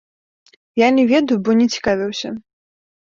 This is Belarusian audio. Я не ведаю, бо не цікавіўся.